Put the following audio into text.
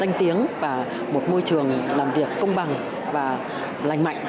danh tiếng và một môi trường làm việc công bằng và lành mạnh